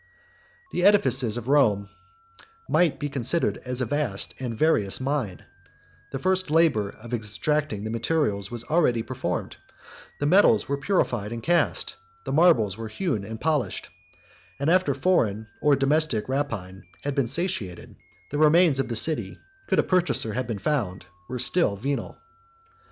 28 The edifices of Rome might be considered as a vast and various mine; the first labor of extracting the materials was already performed; the metals were purified and cast; the marbles were hewn and polished; and after foreign and domestic rapine had been satiated, the remains of the city, could a purchaser have been found, were still venal.